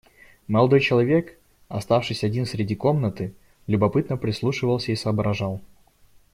Молодой человек, оставшись один среди комнаты, любопытно прислушивался и соображал.